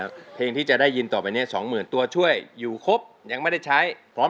เอาอย่างนี้ดีกว่าวันนี้เต้นโชว์สักนิดหนึ่งได้ไหมคะ